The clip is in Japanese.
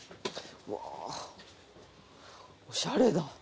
おしゃれだ。